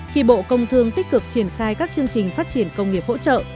khi bộ công thương tích cực triển khai các chương trình phát triển công nghiệp hỗ trợ